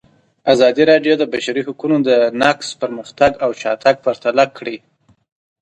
ازادي راډیو د د بشري حقونو نقض پرمختګ او شاتګ پرتله کړی.